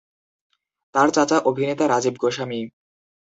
তার চাচা অভিনেতা রাজীব গোস্বামী।